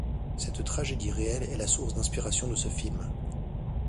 Cette tragédie réelle est la source d'inspiration de ce film.